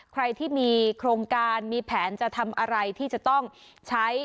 ใครที่มีโครงการมีแผนจะทำอะไรที่จะต้องใช้